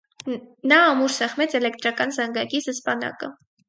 Նա ամուր սեղմեց էլեկտրական զանգակի զսպանակը: